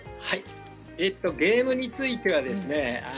ゲームについてはですね